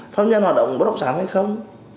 pháp nhân hoạt động bất động sản hay không